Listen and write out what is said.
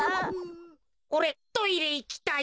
おれトイレいきたい。